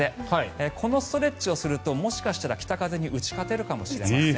このストレッチをするともしかすると北風に打ち勝てるかもしれません。